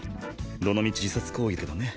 どのみち自殺行為だけどね。